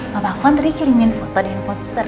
bapakku tadi kirimin foto di handphone suster